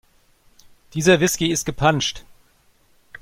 Dieser Whisky ist gepanscht.